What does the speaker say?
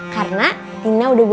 karena dina mau berangkat kuliah dulu